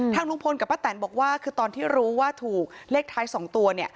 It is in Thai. ลุงพลกับป้าแตนบอกว่าคือตอนที่รู้ว่าถูกเลขท้าย๒ตัว